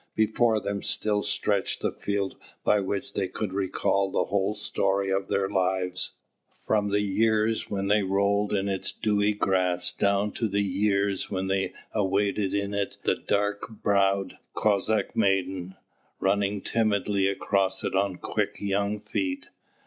Before them still stretched the field by which they could recall the whole story of their lives, from the years when they rolled in its dewy grass down to the years when they awaited in it the dark browed Cossack maiden, running timidly across it on quick young feet.